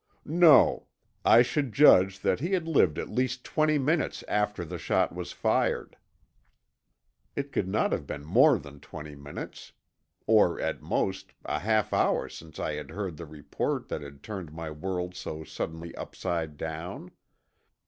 "No. I should judge that he had lived at least twenty minutes after the shot was fired." It could not have been more than twenty minutes, or at most, a half hour since I had heard the report that had turned my world so suddenly upside down!